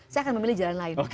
saya akan memilih jalan lain